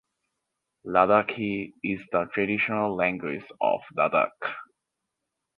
Ladakhi is the traditional language of Ladakh.